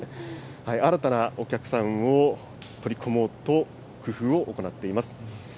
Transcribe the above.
新たなお客さんを取り込もうと工夫を行っています。